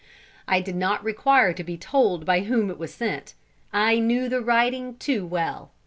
I did not require to be told by whom it was sent. I knew the writing too well.